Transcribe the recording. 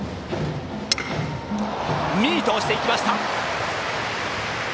ミートしていきました。